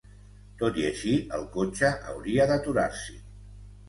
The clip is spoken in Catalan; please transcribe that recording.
Tot i així, el cotxe hauria d'aturar-s'hi.